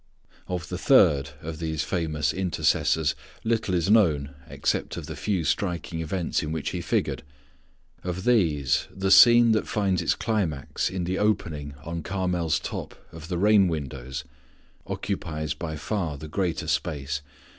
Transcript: Of the third of these famous intercessors little is known except of the few striking events in which he figured. Of these, the scene that finds its climax in the opening on Carmel's top of the rain windows, occupies by far the greater space.